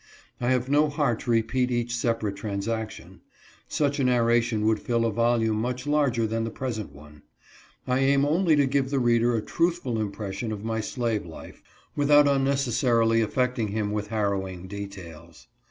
I have no heart to repeat each separate, transaction. Such a narration would fill a volume much larger than the present one. I aim only to give the reader a truthful impression of my slave life, without unnecessarily affecting him with harrowing details.